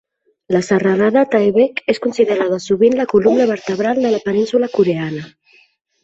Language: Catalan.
La serralada Taebaek és considerada sovint la columna vertebral de la península coreana.